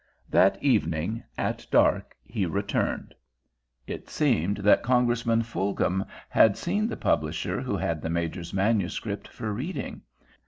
That evening, at dark, he returned. It seemed that Congressman Fulghum had seen the publisher who had the Major's manuscript for reading.